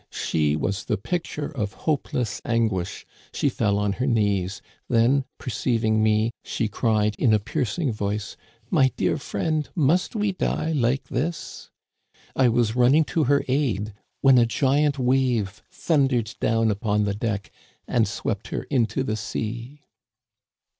She was the picture of hopeless anguish. She fell on her knees. Then, perceiving me, she cried in a piercing voice :* My dear friend, must we die like this ?*" I was running to her aid, when a giant wave thun dered down upon the deck and swept her into the sea."